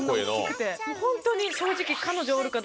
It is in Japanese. ホントに正直。